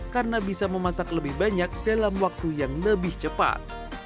karena bisa memasak lebih banyak dalam waktu yang lebih cepat